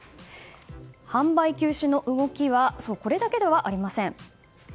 販売休止の動きはこれだけではありません。